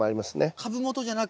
株元じゃなく。